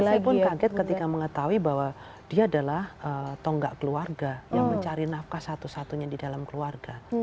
saya pun kaget ketika mengetahui bahwa dia adalah tonggak keluarga yang mencari nafkah satu satunya di dalam keluarga